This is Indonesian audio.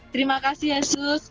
terima kasih yesus